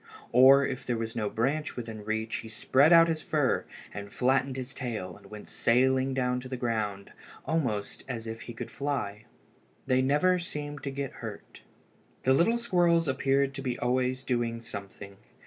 Or if there was no branch within reach, he spread out his fur, and flattened his tail, and went sailing down to the ground, almost as if he could fly. They never seemed to get hurt. The little squirrels appeared to be always doing something.